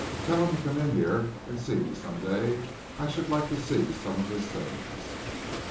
"Tell him to come in here and see me some day. I should like to see some of his things."